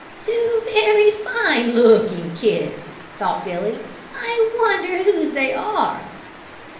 "Two very fine looking kids," thought Billy. "I wonder whose they are."